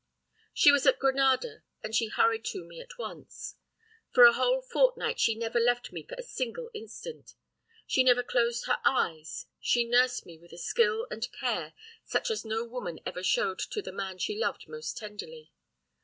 "She was at Granada, and she hurried to me at once. For a whole fortnight she never left me for a single instant. She never closed her eyes; she nursed me with a skill and care such as no woman ever showed to the man she loved most tenderly.